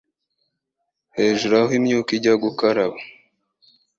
hejuru aho imyuka ijya gukaraba